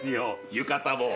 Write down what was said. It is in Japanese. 浴衣も。